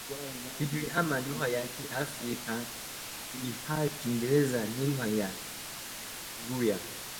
Kigiriama ni lugha ya Kiafrika ilhali Kiingereza ni lugha ya Kiulaya